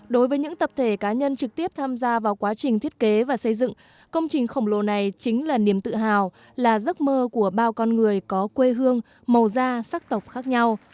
đối với những tập thể cá nhân trực tiếp tham gia vào quá trình thiết kế và xây dựng công trình khổng lồ này chính là niềm tự hào là giấc mơ của bao con người có quê hương màu da sắc tộc khác nhau